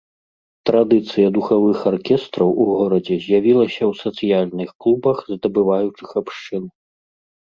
Традыцыя духавых аркестраў у горадзе з'явілася ў сацыяльных клубах здабываючых абшчын.